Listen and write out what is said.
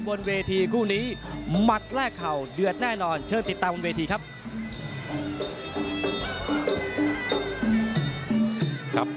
บนเวทีคู่นี้หมัดแรกเข่าเดือดแน่นอนเชิญติดตามบนเวทีครับ